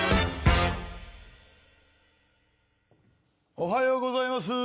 おはようございます。